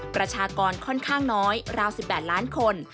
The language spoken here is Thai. ประชากรค่อนข้างน้อยราว๑๘ล้านคน